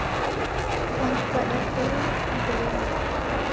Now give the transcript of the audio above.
Wandu wadapoilwa ni kuboilwa.